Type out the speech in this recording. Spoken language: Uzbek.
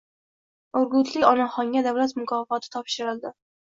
Urgutlik onaxonga davlat mukofoti topshirildi